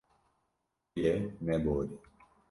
Tu yê neborî.